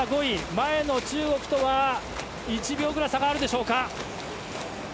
前の中国とは１秒ほど差があるでしょうか。